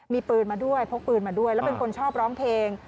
มีปืนมาด้วยพกปืนมาด้วยแล้วเป็นคนชอบร้องเพลง